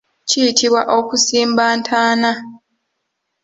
Kiyitibwa okusimba ntaana.